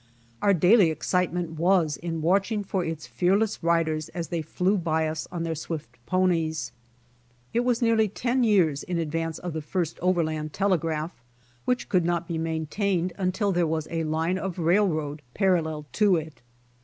Our daily excitement was in watching for its fearless riders as they flew^ by us on their swift ponies. It was nearly ten years in advance of the first overland telegraph, which could not be maintained until there was a line of railroad parallel to it.